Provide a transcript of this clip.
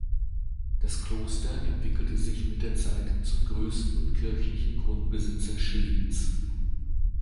Das Kloster entwickelte sich mit der Zeit zum größten kirchlichen Grundbesitzer Schwedens.